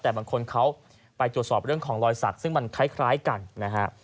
แต่บางคนเขาไปตรวจสอบเรื่องของรอยสักซึ่งมันคล้ายกันนะฮะ